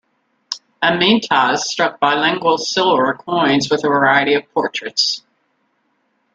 Amyntas struck bilingual silver coins with a variety of portraits.